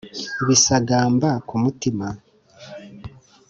Bisagamba ku mutima